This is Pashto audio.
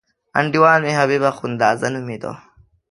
انډیوال مې حبیب اخندزاده نومېده.